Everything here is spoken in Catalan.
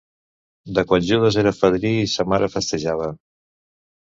De quan Judes era fadrí i sa mare festejava.